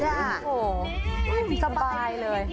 โอ้โหสบายเลย